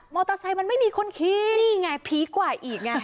อเตอร์ไซค์มันไม่มีคนขี่นี่ไงพีคกว่าอีกไง